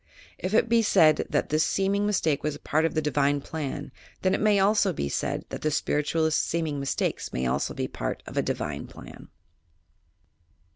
If it be said, that this seeming mistake was a part of a divine plan, then it may also be said, that the Spiritualist's seeming mistakes may also be a part of a divine plan."